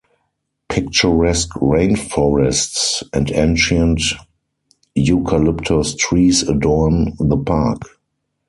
Picturesque rain forests and ancient eucalyptus trees adorn the park.